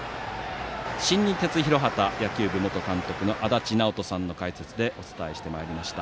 新日鉄広畑野球部元監督の足達尚人さんの解説でお伝えしてまいりました。